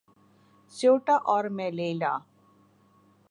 Ceuta اور Melilla